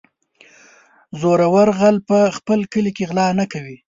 زورور غل په خپل کلي کې غلا نه کوي.